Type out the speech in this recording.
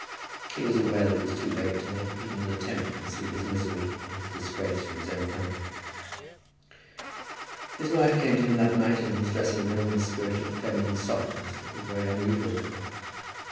He was aware that it was too late to make even an attempt to conceal his misery and his disgrace from his own family. His wife came to him that night in his dressing room in a spirit of feminine softness that was very unusual with her.